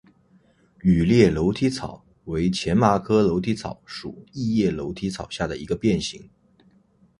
羽裂楼梯草为荨麻科楼梯草属异叶楼梯草下的一个变型。